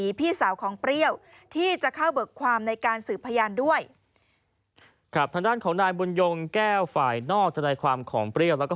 พี่สาวของเปรี้ยวที่จะเข้าเบิกความในการสืบพยานด้วยครับทางด้านของนายบุญยงแก้วฝ่ายนอกทนายความของเปรี้ยวแล้วก็